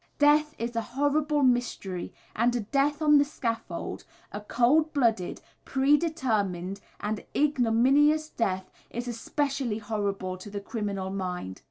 Death is a horrible mystery, and a death on the scaffold, a cold blooded, pre determined, and ignominious death is especially horrible to the criminal mind.